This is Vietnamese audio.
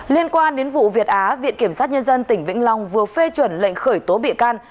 liên quan đến vụ việt á viện kiểm sát nhân dân tỉnh vĩnh long vừa phê chuẩn lệnh khởi tố bị can